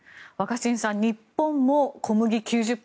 若新さん日本も小麦９０％